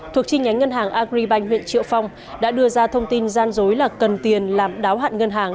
thuộc chi nhánh ngân hàng agribank huyện triệu phong đã đưa ra thông tin gian dối là cần tiền làm đáo hạn ngân hàng